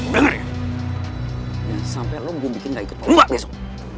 jangan sampai lo gua bikin gak ikut lomba besok